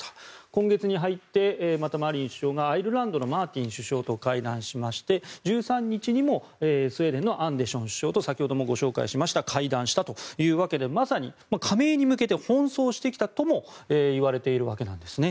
今月に入ってまたマリン首相がアイスランドのマーティン首相と会談しまして１３日にもスウェーデンのアンデション首相と先ほどもご紹介したとおり会談したということでまさに、加盟に向けて奔走してきたともいわれています。